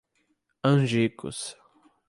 Angicos